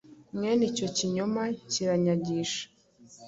mwene icyo kinyoma kiranyagisha.”